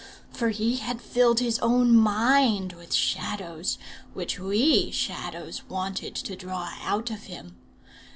For he had filled his own mind with shadows, which we Shadows wanted to draw out of him.